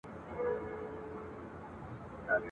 زمری راغی زه یې وویشتم له مځکي `